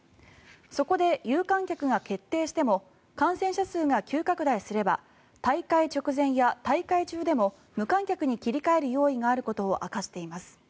そこで有観客が決定しても感染者数が急拡大すれば大会直前や大会中でも無観客に切り替える用意があることを明かしています。